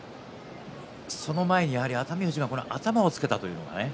その前に熱海富士が頭をつけたというのがね。